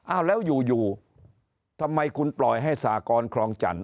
อ้าวแล้วอยู่อยู่ทำไมคุณปล่อยให้สากรคลองจันท